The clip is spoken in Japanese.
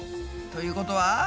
ということは？